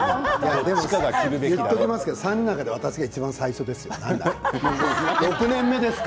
言っておきますけれども３人の中で僕が最初ですよ